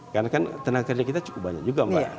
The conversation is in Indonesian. karena kan tenaga kerja kita cukup banyak juga mbak